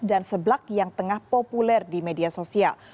dan seblak yang tengah populer di media sosial